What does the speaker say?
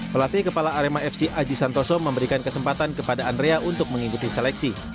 pelatih kepala arema fc aji santoso memberikan kesempatan kepada andrea untuk mengikuti seleksi